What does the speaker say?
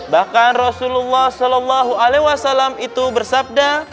bahkan rasulullah saw itu bersabda